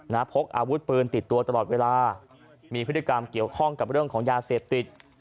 พกอาวุธปืนติดตัวตลอดเวลามีพฤติกรรมเกี่ยวข้องกับเรื่องของยาเสพติด